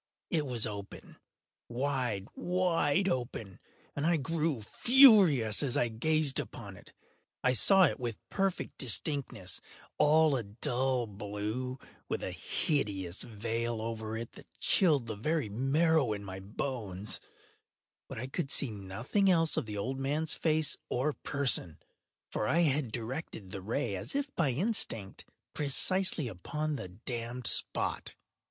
It was open—wide, wide open—and I grew furious as I gazed upon it. I saw it with perfect distinctness—all a dull blue, with a hideous veil over it that chilled the very marrow in my bones; but I could see nothing else of the old man’s face or person: for I had directed the ray as if by instinct, precisely upon the damned spot.